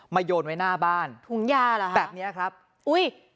มาโยนไว้หน้าบ้านแบบนี้ครับอุ๊ยถุงยาเหรอ